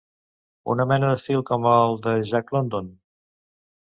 Una mena d'estil com el de Jack London?